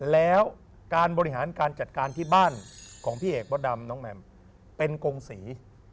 แล้วการบริหารการจัดการที่บ้านของพี่เอกมดดำน้องแมมเป็นกงศรี